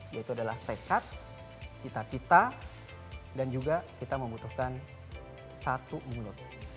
yaitu adalah tekad cita cita dan juga kita membutuhkan satu mulut